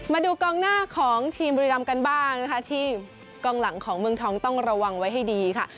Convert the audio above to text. มาดูกองหน้าของทีมบุรีรำกันบ้างนะคะที่กองหลังของเมืองทองต้องระวังไว้ให้ดีค่ะ